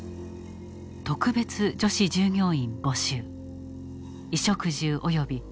「特別女子従業員募集衣食住および高額支給」。